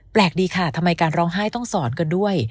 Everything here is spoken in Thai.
แปลกดีค่ะทำไมการร้องไห้ต้องสอนกันด้วย